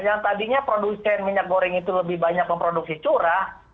karena tadinya produsen minyak goreng itu lebih banyak memproduksi curah